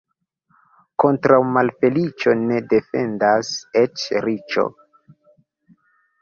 Kontraŭ malfeliĉo ne defendas eĉ riĉo.